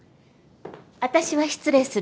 私は失礼するわ。